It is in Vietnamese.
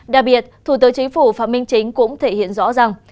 đặc biệt thủ tướng chính phủ phạm minh chính cũng thể hiện rõ ràng